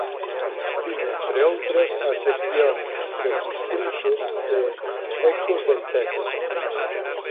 Tiña entre outras as seccións "Del Distrito" e "Ecos del Tecla".